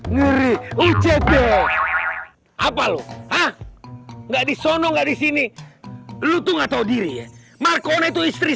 ngereh ucet deh apa lu nggak di sono nggak di sini lu tuh nggak tahu diri ya marko itu istri